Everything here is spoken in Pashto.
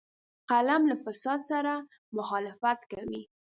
قلم له فساد سره مخالفت کوي